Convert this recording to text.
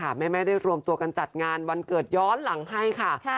แม่ได้รวมตัวกันจัดงานวันเกิดย้อนหลังให้ค่ะ